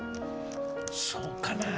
そうかなぁ。